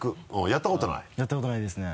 やったことないですね。